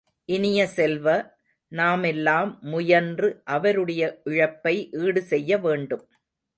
இனிய செல்வ, நாமெல்லாம் முயன்று அவருடைய இழப்பை ஈடு செய்ய வேண்டும்.